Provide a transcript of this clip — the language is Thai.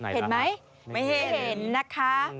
เห็นไหมไม่เห็นนะคะ